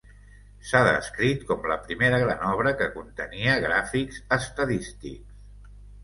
S'ha descrit com la primera gran obra que contenia gràfics estadístics.